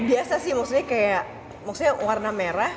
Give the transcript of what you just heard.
biasa sih maksudnya kayak maksudnya warna merah